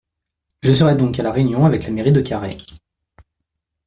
Je serai donc à la réunion avec la mairie de Carhaix.